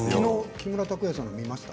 木村拓哉さん見ました。？